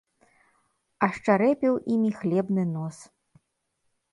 Ашчарэпіў імі хлебны нос.